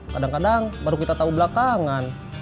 kadang kadang baru kita tahu belakangan